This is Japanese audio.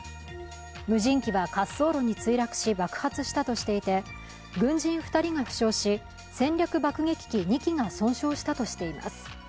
無人機は滑走路に墜落し爆発したとしていて軍人２人が負傷し戦略爆撃機２機が損傷したとしています。